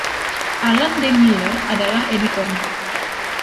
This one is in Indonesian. Alan D. Miller adalah editornya.